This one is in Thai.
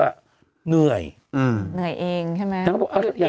เหนื่อยเองใช่ไหม